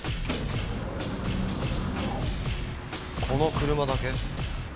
この車だけ？